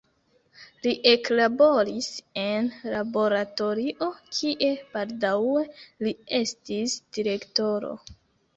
Li eklaboris en laboratorio, kie baldaŭe li estis direktoro.